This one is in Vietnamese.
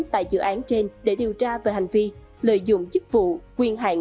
tại dự án trên để điều tra về hành vi lợi dụng chức vụ quyền hạn